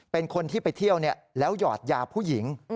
เป็นคนที่ไปเที่ยวแล้วหยอดยาผู้หญิง